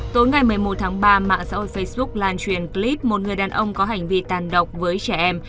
tối ngày một mươi một tháng ba mạng xã hội facebook lan truyền clip một người đàn ông có hành vi tàn độc với trẻ em